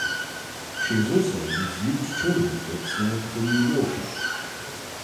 She also reviewed children's books for "The New Yorker".